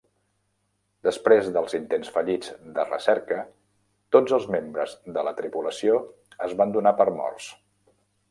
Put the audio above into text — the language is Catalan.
Després dels intents fallits de recerca, tots els membres de la tripulació es van donar per morts.